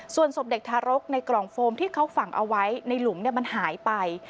ส่วนศพเด็กทารกในกล่องโฟมที่เขาฝังเอาไว้ในหลุมมันหายไป